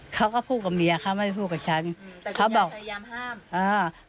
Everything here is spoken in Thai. เขาก็พูดกับเมียเขาไม่พูดกับฉันเขาบอกพยายามห้ามอ่า